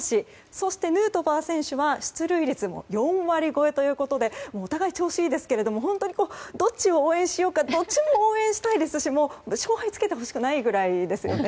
そしてヌートバー選手は出塁率も４割超えということでお互いに調子いいですがどっちを応援しようかどっちも応援したいですし勝敗をつけてほしくないくらいですよね。